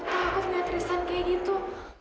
aku takut liat rizal kayak gitu